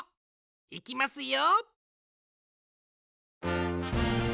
いきますよ。